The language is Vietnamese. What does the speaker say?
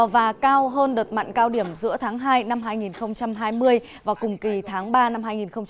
và cao hơn đợt mặn cao điểm giữa tháng hai năm hai nghìn hai mươi và cùng kỳ tháng ba năm hai nghìn hai mươi